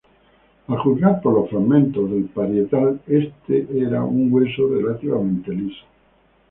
Al juzgar por los fragmentos del parietal, este era un hueso relativamente liso.